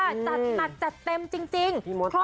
จัดหนักจัดเต็มจริง